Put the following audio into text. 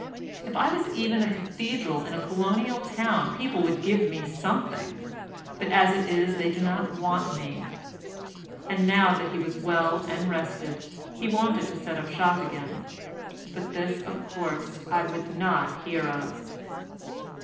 If I was even a cathedral in a colonial town people would give me something, but as it is they do not want me"; and now that he was well and rested he wanted to set up a shop again, but this, of course, I would not hear of.